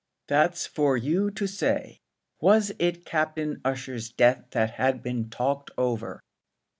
"That's for you to say. Was it Captain Ussher's death that had been talked over?"